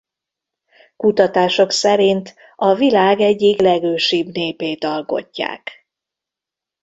Kutatások szerint a világ egyik legősibb népét alkotják.